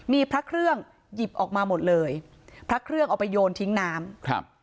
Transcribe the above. มีพระเครื่องหยิบออกมาหมดเลยพระเครื่องเอาไปโยนทิ้งน้ำครับ